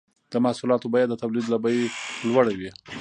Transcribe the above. د محصولاتو بیه د تولید له بیې لوړه وي